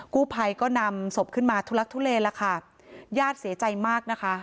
กู้ภัยก็นำศพขึ้นมาทุลักทุเลแล้วค่ะญาติเสียใจมากนะคะ